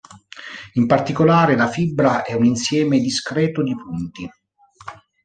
In particolare, la fibra è un insieme discreto di punti.